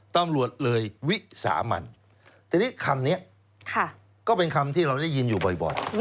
ตำรวจเลยวิสามันทีนี้คำนี้ก็เป็นคำที่เราได้ยินอยู่บ่อย